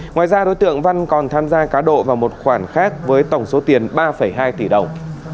ngoài ra đối tượng văn còn tham gia cá độ vào một khoản khác với tổng số tiền ba hai tỷ đồng